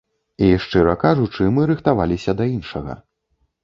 І шчыра кажучы, мы рыхтаваліся да іншага.